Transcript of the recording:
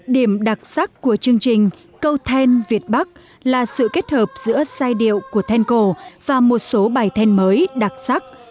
điểm đặc sắc của chương trình câu thên việt bắc là sự kết hợp giữa sai điệu của thên cổ và một số bài thên mới đặc sắc